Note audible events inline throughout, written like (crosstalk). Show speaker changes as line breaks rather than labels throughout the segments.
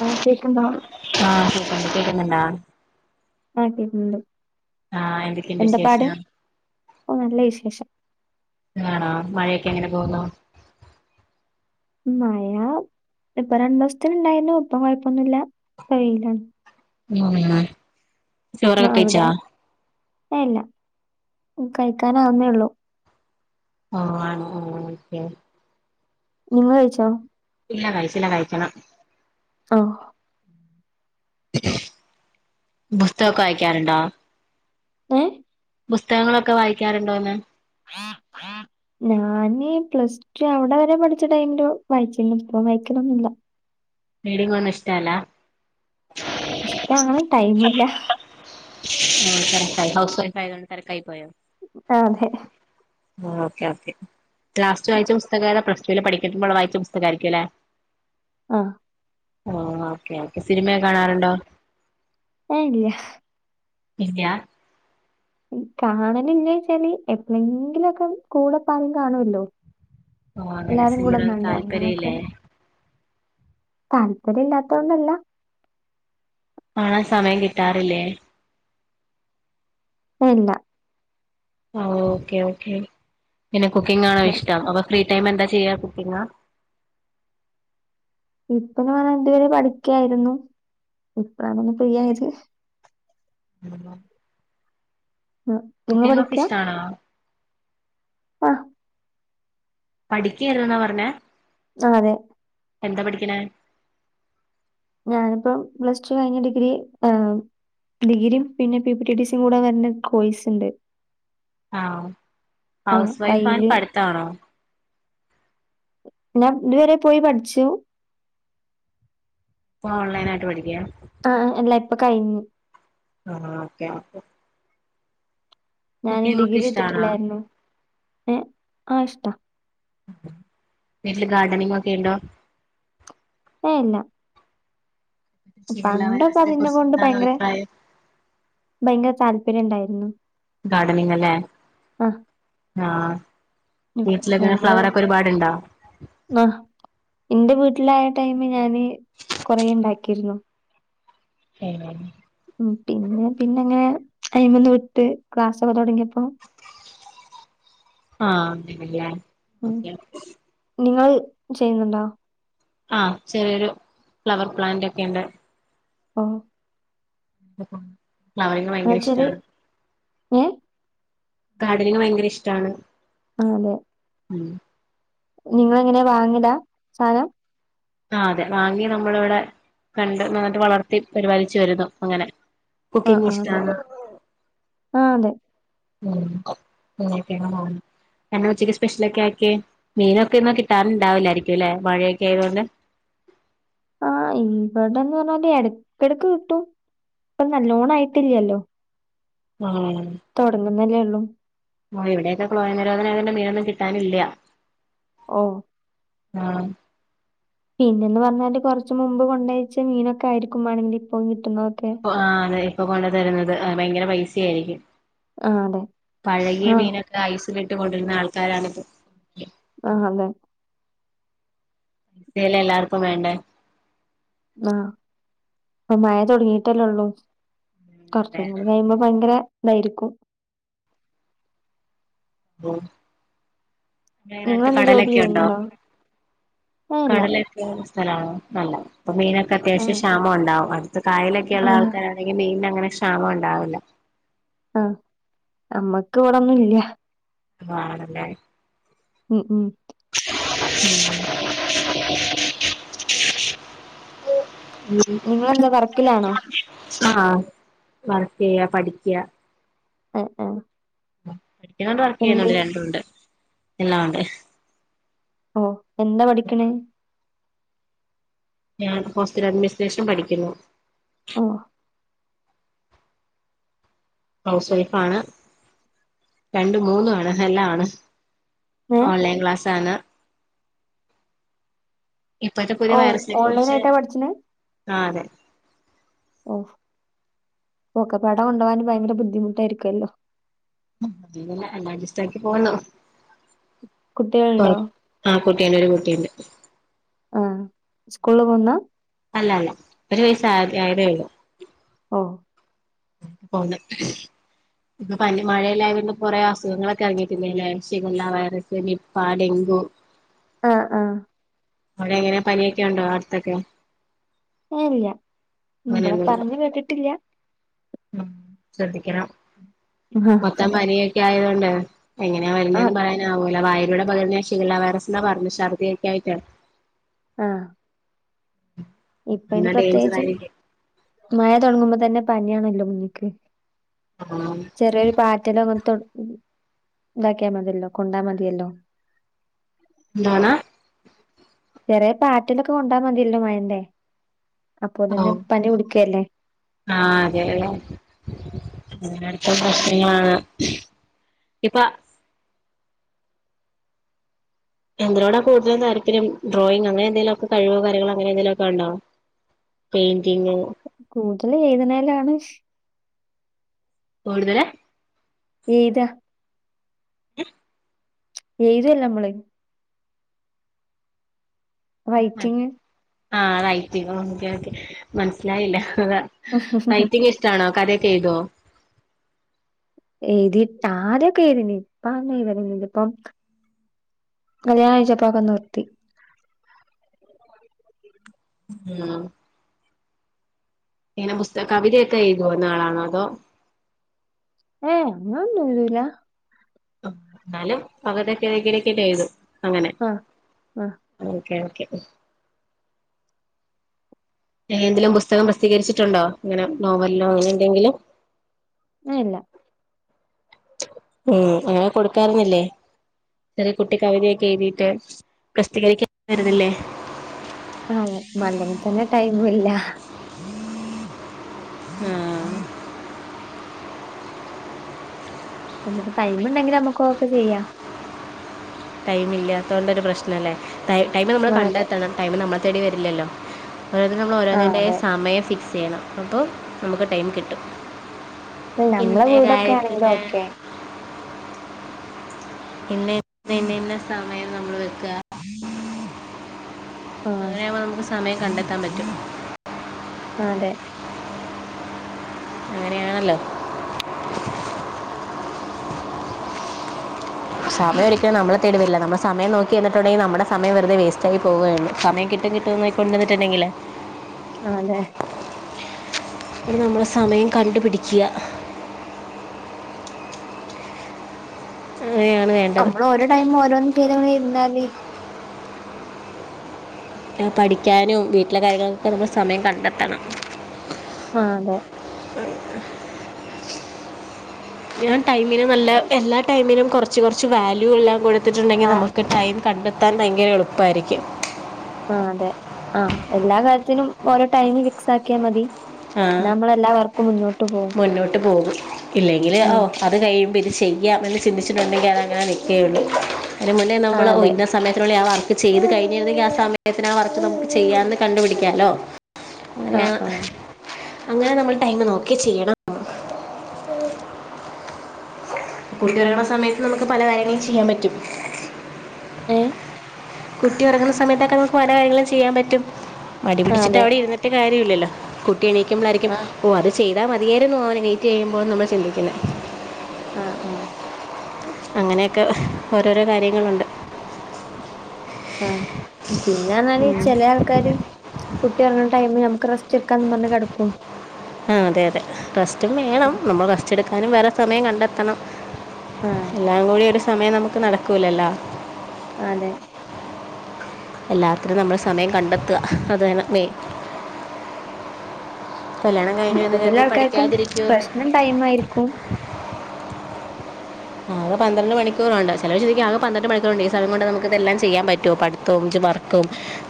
ആഹ കേക്ണ്ടോ
ങ്ങനാ
ആ കേക്കുന്നുണ്ട്
എന്തൊക്കെയുണ്ട്
എന്ത പാട്
വിശേഷം
ഒ നല്ല വിശേഷം
കാണോ മഴയൊക്കെ എങ്ങനെ പോുന്നു
മയാ ഇപ്പ രണ്ടു ദിവസത്തിന് ഇണ്ടായിന്നു ഒപ്പം കുഴപ്പൊന്നുല്ല ഇപ്പ വെയിലാണ്
ഉ ചോറക്കെ കഴിച്ചാ
എ ല്ല കഴിക്കാനാവുന്നേ ഉള്ളൂ
ആഹ ആണോ ഓക്കെ
നിങ്ങൾ കഴിച്ചോ
ഇല്ല കഴിച്ചില്ല കഴിക്കണം
ആഹ
പുസ്തക ഒക്കെ വായിക്കാറുണ്ടോ
ഏ
പുസ്തകങ്ങളൊക്കെ വായിക്കാറുണ്ടോന്ന്
ആ ആ ഞാന് പ്ലസ് ടു അവിടെ വരെ പഠിച്ച ടൈമില് വായിച്ചിന്നു ഇപ്പം വായിക്കലൊന്നില്ല
റീഡിങ് ഒന്നും ഇഷ്ട അല്ല
ഇഷ്ടാണ് ടൈം ഇില്ല
ആ തിരക്കായ് ഹൗസ് വൈഫ് ആയതോണ്ട് തിരക്കായി പോയോ
അ അതെ
ആ ഓക്കെ ഓക്കെ ലാസ്റ്റ് വായിച്ച പുസ്തകത പ്ലസ് ടുവിൽ പഠിക്കുമ്പോുള്ള വായിച്ച പുസ്തകമായിരിക്കും ല്ലേ
ആഹ
ആ ഓക്കെ ഓക്കെ സിനിമയെ കാണാറുണ്ടോ
ഏഹ് ഇല്ല
ഇല്ല
കാണല് ഇല്ലേ വെച്ചാല് എപ്പോഴെങ്കിലുംഒക്കെ കൂടെപ്പം കാണുല്ലോ
ഓഹ് അങ്ങനെ
എല്ലാരും
സിനിമയോട്
കൂടെന്നണ്ട് അങ്ങനെക്കെ
താല്പര്യല്ലേ
താല്പര്യ ഇല്ലാത്തോൊണ്ടല്ല
കാണൻ സമയം കിട്ടാറില്ലേ
അല്ല
ആഹ ഓക്കെ ഓക്കെ പിന്നെ കുക്കിംഗാണോ ഇഷ്ടം അപ്പൊ ഫ്രീ ടൈം എന്താ ചെയ്യാ കുക്കിംഗ
ഇപ്പന്ന് പറഞ്ഞാ എന്തു പേരെ പഠിക്കായിരുന്നു ഇപ്രന്ന പ്രായത് ആ, നിങ്ങള്
കുക്കിങ്ഒക്കെ ഇഷ്ടണോ
ആ്
പഠിക്കായിരുന്നാ പറഞ്ഞെ
ആ അതെ
എന്താ പഠിക്കണെ
ഞാനിപ്പം പ്ലസ് ടു കഴിഞ്ഞ ഡിഗ്രി ആ ഡിഗ്രും പിന്നെ പി പി ഡീസും കൂടെ വരുന്ന കോയ്സ് ഉണ്ട്
ആഹ
ആഹ്
ഹൗസ് വൈഫ് ആ പഠത്താണോ
ഞാ ഇതുവരെ പോയി പഠിച്ചു
ഇപ്പൊ ഓൺലൈനായിയിട്ട് പഠിക്കുക
അപ്പൊ കഴിഞ്ഞു
ആഹ ഓക്കെ ഓക്കെ
ഞാന
കുക്കിംഗ് ഒക്കെ
ഡിഗ്രി
ഇഷ്ടാണോ
എത്തിട്ടില്ലായിരുന്നു ഏ ആ ഇഷ്ട
വീട്ടില് ഗാർഡനിങ് ഒക്കെ ണ്ടോ
ഏ ല്ല
ഷിഗല്ല
പണ്ടൊപ്പോ
വൈറസിനെ
അതിനെ
കുറിച്ച്
കൊണ്ട്
എന്താണ്
ഭയങ്കര
അഭിപ്രായം
ഭയങ്കര താല്പര്യംണ്ടായിരുന്നു
ഗാർഡനിങ് അല്ലേ ആ
ഞമ്മള് ആ എന്റെ വീ വീട്ടിലായ ടൈമ ഞാന് കൊറ ഉണ്ടാക്കിരുന്നു മ് പിന്നെ പിന്നെ ങ്ങനെ അയിന്ന് വിട്ട് ക്ലാസ്ഒക്കെ തുടങ്ങിയപ്പോ
ആ (unintelligible)
നിങ്ങൾ ചെയ്യുന്നുണ്ടോ
ആ ചെറിയൊരു ഫ്ലവർ പ്ലാന്റ് ക്കെുണ്ട്
ഒ
ഫ്ലവറിങ്ങ് ഭയങ്കര
എന്നുവെച്ചാല്
ഇഷ്ടാണ്
ഏ
ഗാർഡനിങ് ഭയങ്കര ഇഷ്ടാണ്
ആതെ
(unintelligible)
നിങ്ങ ളെ എങ്ങനെ വാങ്ങിടാ സാനം
ആ അതെ വാങ്ങി നമ്മള ഇവിടെ കണ്ട് നന്നിട്ട് വളർത്തി പരിപാലിച്ചു വരുന്നു അങ്ങനെ
ആ
കുക്കിംഗ്
ആ അതെ
ഇഷ്ടാണ്
ആ അതെ
(unintelligible) (unintelligible) ഉച്ചക്ക് സ്പെഷ്യലൊക്കെ ആക്കി മീനൊക്കെ ഒന്നും കിട്ടാനണ്ടാവൂില്ലായിരിക്കുംല്ലെ മഴയൊക്കെ ആയതുകൊണ്ട് (inaudible)
ആ ഇവിടെന്ന് പറഞ്ഞാല് ഇടക്കിടക്ക് കിട്ടും ഇപ്പന്നാ ലോൺ ആയിട്ടില്ലല്ലോ തുടങ്ങുന്നല്ലേ ഉള്ളൂ
ഓ ഇവിടെയൊക്കെ ക്ലോയ നിരോധനം അന്റെ മീനൊന്നും കിട്ടാനില്ല
ഓ
ആ
പിന്നെന്ന് പറഞ്ഞാല് കുറച്ച മുമ്പ് കൊണ്ടഴച്ച മീനൊക്കെ ആയിരിക്കും വേണെങ്കിൽ ഇപ്പകി
ആ അത ഇപ്പൊ കൊണ്ടു തരുന്നത് ഭയങ്കര പൈസയായിരിക്കും
ആ അതെ
പഴകിയ
ആ
മീനൊക്കെ ഐസ് ഇിട്ട് കൊണ്ടിരുന്ന ആൾക്കാരാണിപ്പോ
ആ അതെ
(unintelligible) എല്ലാർക്കും വേണ്ടേ
ആ അപ്പ മഴ തുടങ്ങിട്ടല്ലേള്ളൂ
ഉം അതെ
കുറച്ചും കൂടെ കഴിയുമ്പോ ഭയങ്കര തായിരിക്കും
(unintelligible) (unintelligible)
നിങ്ങളെന്താ ജോബ്
കടലൊക്കെ ഉണ്ടോ
ചെയ്യുന്നുണ്ടോ ഏ ഇല്ല
കടലൊക്കെ (unintelligible) മീനൊക്കെ
ഏ
അത്യാവശ്യ ക്ഷാമ ഉണ്ടാവകും അടുത്ത കായലൊക്കെയള്ള
ആ
ആൾക്കാരാണെങ്കിൽ മീന അങ്ങനെ ക്ഷാമ ണ്ടാവില്ല
ആ അമ്മക്ക് ഇവിടൊന്നും ഇല്ല
ആണല്ലേ
മ് മ്
(inaudible)
നിങ്ങളെന്താ വർക്കിലാണോ
ആ വർക്ക് ചെയ്യ പഠിക്ക
ആ ആ
പഠിക്കുന്നുണ്ട് വർക്ക് ചെയ്യുന്നുണ്ട് രണ്ടുണ്ട് എല്ലാംണ്ട്
ഓ എന്താ പഠിക്കണ
ഞാൻ ഹോസ്റ്റൽ അഡ്മിനിസ്ട്രേഷൻ പഠിക്കുന്നു
ഓ
ഹൗസ് വൈഫ് ആണ് രണ്ടു മൂന്നു ആണ് എല്ലാണ്
ഏ
ഓൺലൈൻ ക്ലാസ് ആണ് ഇപ്പഴത്തെ പുതിയ
ഓ
വൈറസിനെ
ഓൺലൈൻ
കുറിച്ച്
ആയിട്ടാ പഠിച്ചണേ
ആ അതെ
ഓ ഓക്കെ പട കൊണ്ടോവാൻ ഭയങ്കര ബുദ്ധിമുട്ടായിരിക്കോല്ലോ
അതെ എല്ലാ അഡ്ജസ്റ്റാക്കി പോകുന്നു കൊ
കുട്ടികളുണ്ടോ
ആ കുട്ടീണ്ട് ഒരു കുട്ടീണ്ട്
സ്കൂളില് പോകുന്നാ
അല്ല അല്ല ഒരു വയസ് ആയത് ആയതേ ഉള്ളു
ഓ
പോകുന്ന് ഇപ്പൊ പനി മഴയെല്ലായോണ്ട് കൊറെ അസുഖങ്ങളൊക്കെ ഇറങ്ങിയിട്ടില്ലല്ലേ ഷിഗല്ല വൈറസ്, നിപ്പ, ഡെങ്ക ഉ
ആ ആ
അവിടെ എങ്ങനെയാ പനിയെക്കെണ്ടോ അടുത്തൊക്കെ
ഇല്ല ഇവിട
അങ്ങനെയൊന്നുല്ല
പറഞ്ഞ് കേട്ടിട്ടില്ല
ശ്രദ്ധിക്കണം
ആ
മൊത്തം പനിയെക്കെ ആയോണ്ടേ എങ്ങനെയാ
ആ
വരുന്നെന്ന് പറയാനാ വൂല്ല വായേലൂടെ പകരുന്ന ഷിഗല്ല വൈറസ് ന്നാ പറഞ്ഞ് ഛർദ്ദിക്കേ ആയിട്ടേ
ആ ഇപ്പ ഇനി
എന്നാ ഡേഞ്ചർ
പ്രത്യേകിച്ചും
ആയിരിക്കും
മഴ തൊടങ്ങുമ്പോ തന്നെ പനിയാണല്ലോ മുന്നിക്ക്
ആ
ചെറിയൊരു പാറ്റലോ അങ്ങൻത്തോ ഇതാക്കിയാ മതിയല്ലോ കൊണ്ടാ മതിയല്ലോ
എന്താണ്
ചെറിയ പാറ്റലൊക്കെ കൊണ്ടാ മതിയല്ലോ മഴേന്റെ അപ്പൊ തന്നെ
ആഹ്
പനി പുടിക്കേല്ലേ
ആ ഇനി അടുത്ത പ്രശ്നമാ ഇപ്പ എന്തിനോടാ കൂടുലും താല്പര്യം ഡ്രോയിങ് അങ്ങനെ എന്തേലൊക്കെ കഴിവോ കാര്യങ്ങളോ അങ്ങനെന്തെങ്കിലുക്കെ ഒണ്ടോ പെയ്ന്റിങ്ങ്
കൂടുതൽ എഴുതണേനാണ്
കൂടുതല്
എയ്താ
(unintelligible)
എഴ്ല്ലമ്മള് റൈറ്റിങ്
ആ റൈറ്റിംങ്ങ് ഓക്കെ ഓക്കെ മനസ്സിലായില്ല ഹ്‌താ റൈറ്റിങ്ങ് ഇഷ്ടാണോ കഥേ ചെയ്തോ
എയ്തിട്ട് ആദ്യൊക്കെ എഴുതീനി ഇപ്പ അങ്ങനെഴുതലില്ലല്ലൊ ഇപ്പം കല്യാണാഴ്ചപ്പൊക്ക നിർത്തി
ഉം ഇങ്ങനെ പുസ്ത കവിതേക്ക എയ്തോരുന്ന ആളാണോ അതോ
ഏങ്ങൊന്നും എയ്തൂല്ല
ആഎന്നാലും (unintelligible)
ആ ആ
ഓക്കെ ഓക്കെ എ എന്തെലും പുസ്തകം പ്രസിദ്ധീകരിച്ചിട്ടുണ്ടോ ഇങ്ങനെ നോവലിലോ അങ്ങനെ എന്തെങ്കിലും
ആ ഇല്ല
ഊം അങ്ങന കൊടുക്കാരുന്നില്ലേ ചെറിയ കുട്ടി കവിതയൊക്കെ എഴുതീട്ട് പ്രസ്ദ്ധികരിക്കാൻ (unintelligible) ല്ലേ
ഉം ഇല്ലാ
ആ
നമുക്ക് ടൈമ് ഇണ്ടെങ്കില് നമുക്ക് ഓക്കെ ചെയ്യാം
ടൈം ഇല്ലാത്തൊണ്ടൊരു പ്രശ്നംല്ലേ ടൈ ടൈമ് നമ്മള്
ആ അതെ
കണ്ടെത്തണം ടൈമ് നമ്മളെ തേടി വരില്ലല്ലോ ഓരോന്നിന് നമ്മള്
ആ
ഓരോന്നിന്റെയും
അതെ
സമയം ഫിക്സ് ചെയ്യണം അപ്പോ നമുക്ക് ടൈം കിട്ടും
നമ്മളെ
പിന്നെ
വീടൊക്കെ ആണെങ്കിലും
കാര്യത്തിന്
ഓക്കെ
ഇന്ന ഇന്നെ ഇന്ന സമയം നമ്മള് വെക്ക
ആ
അങ്ങനെയാവുമ്പോ നമുക്ക് സമയം കണ്ടെത്താൻ പറ്റും
ആ അതെ
അങ്ങനെയാണല്ലോ സമയം ഒരിക്കലും നമ്മളെ തേടിവരില്ല നമ്മള് സമയം നോക്കിരിന്നിട്ടുണ്ടെങ്കി നമ്മടെ സമയം വെറുതെ വേസ്റ്റ് ആയി പോവേള്ളൂ സമയം കിട്ട കിട്ടും കിട്ടുംന്ന് നോക്കിയോണ്ടിരുന്ന്ട്ട്ണ്ടെങ്കില്
ആ അതെ
ഇനി നമ്മള് സമയം കണ്ടുപിടിക്ക്യ അങ്ങനെയാണ് വേണ്ടത്
നമ്മള് ഓരോ ടൈം ഓരോന്നും ചെയ്തവടെ ഇരുന്നാല്
പഠിക്കാനും വീട്ടിലെ കാര്യങ്ങൾക്കൊക്കെ സമയം കണ്ടെത്തണം
ആ അതെ
ഞാൻ ടൈമിന് നല്ല എല്ലാ ടൈമിനും കൊറച്ച് കൊറച്ച് വാല്യൂ എല്ലാം കൊടു ത്തിട്ടുണ്ടെങ്കി
ആഹ്
നമുക്ക് ടൈം കണ്ടെത്താൻ ഭയങ്കര എളുപ്പായിരിക്കും
ആ അതെ ആ എല്ലാ കാര്യത്തിനും ഓരോ ടൈമ് ഫിക്സ് ആക്കിയാ മതി
ആ
എന്നാ നമ്മളെ എല്ലാ വർക്കും മുന്നോട്ട് പോകും
മുന്നോട്ട് പോകും ഇല്ലെങ്കില് ഓ
ആഹ്
അത് കഴിയുമ്പ ഇത് ചെയ്യാം എന്ന് ചിന്തിച്ചിട്ടുണ്ടെങ്കി അത് അങ്ങനെ നിക്കേയുള്ളൂ അയിന് മുന്നേ
ആഹ്
നമ്മള് ഓ
അതെ
ഇന്ന സമയത്തിനുള്ളിൽ ആ വർക്ക ക്ക് ചെയ്ത് കഴിഞ്ഞിരുന്നെങ്കിൽ ആ സമയത്തിനാ വർക്ക് നമുക്ക് ചെയ്യാന്ന് കണ്ടുപിടിക്കാലോ അയ
ആഹ് ആഹ്
അങ്ങനെ നമ്മള് ടൈമ് നോക്കി ചെയ്യണം തുണി കഴുകണ സമയത്ത് നമുക്ക് പല കാര്യങ്ങളും ചിയ്യാൻ പറ്റും
ഏഹ്
കുട്ടി ഉറങ്ങണ സമയത്തൊക്കെ നമുക്ക് പല കാര്യങ്ങളും ചെയ്യാൻ പറ്റും മടി
ആഹ്
പിടിച്ചിട്ട്
അതെ
അവിടെ ഇരുന്നിട്ട് കാര്യല്ലല്ലോ കുട്ടി എണീക്കുമ്പളായിരിക്കും
ആഹ്
ഓ അത് ചെയ്താ മതിയാരുന്നു അവനെണീറ്റ് ചെയ്യുമ്പോന്ന് നമ്മള് ചിന്തിക്കുന്നേ
ആ ആ
അങ്ങനെക്കെ ഓരോരോ കാര്യങ്ങളൊണ്ട്
ആ പിന്നെന്നാല്
ഉം.
ചെല ആൾക്കാര് കുട്ടി ഒറങ്ങണ ടൈമില് നമുക്ക് റസ്റ്റ് എടുക്കാന്ന് പറഞ്ഞ് കെടക്കും
ആ അതെ അതെ റസ്റ്റും വേണം നമ്മൾ റസ്റ്റ് എടുക്കാനും വേറെ സമയം കണ്ടെത്തണം
ആഹ്
എല്ലാം കൂടി ഒരു സമയം നമുക്ക് നടക്കൂലല്ലോ
അതെ
എല്ലാത്തിനും നമ്മൾ സമയം കണ്ടെത്ത അതാണ് മെയ്ൻ
കൂടുതൽ ആൾക്കാർക്കും
പഠിക്കാതിരിക്കുമോ
പ്രശ്നം ടൈം ആയിരിക്കും
ആകെ പന്ത്രണ്ട് മണിക്കൂറുണ്ട് ചെലര് ചോയ്ക്കും ആകെ പന്ത്രണ്ട് മണിക്കൂറണ്ട് ഈ സമയം കൊണ്ട് നമുക്ക് ഇതെല്ലാം ചെയ്യാൻ പറ്റോ പഠത്തോം ജോ വർക്കും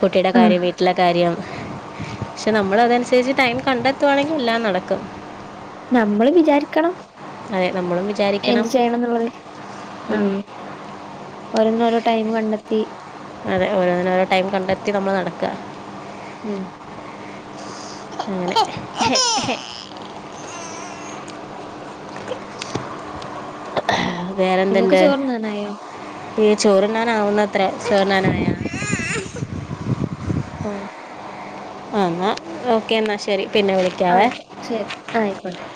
കുട്ടിടെ
ആഹ്
കാര്യം വീട്ടിലെ കാര്യം പക്ഷെ നമ്മൾ അതനുസരിച്ച് ടൈം കണ്ടെത്തുവാണെങ്കിൽ എല്ലാം നടക്കും
നമ്മള് വിചാരിക്കണം
അതെ നമ്മളും വിചാരിക്കണം
എന്ത് ചെയ്യണം എന്നുള്ളത് ആഹ്
ഉം.
ഓരോന്നിനും ഓരോ ടൈം കണ്ടെത്തി
അതെ ഓരോന്നിനും ഓരോ ടൈം കണ്ടെത്തി നമ്മള് നടക്ക
ഉം
ഉം
നിങ്ങക്ക് ചോർണ്ണുന്നായോ
ഇല്ല ചോറിനുണ്ണാൻ ആവുന്നത്ര ചോറുണ്ണാനായോ
ഓ
ആ എന്നാ ഓക്കെ എന്നാ ശരി പിന്നെ വിളിക്കാവേ
ആയിക്കോ ശരി ആയിക്കോട്ടെ